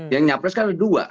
yang nyapres kan ada dua